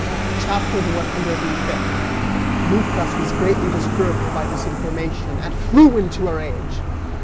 CHAPTER THE ONE HUNDRED AND FIFTH. Lycas was greatly disturbed by this information, and flew into a rage.